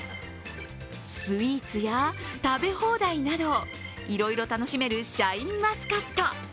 スイーツや食べ放題など、いろいろ楽しめるシャインマスカット。